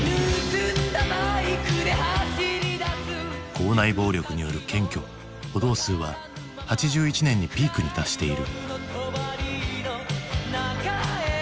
校内暴力による検挙補導数は８１年にピークに達している。